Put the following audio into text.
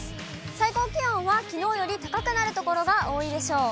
最高気温はきのうより高くなる所が多いでしょう。